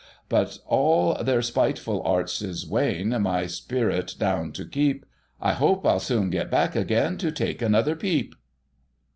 But all their spiteful arts is wain, My spirit down to keep ; I hopes I'll soon git back again, To take another peep."